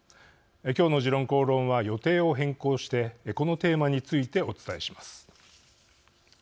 今日の「時論公論」は予定を変更してこのテーマについてお伝えします。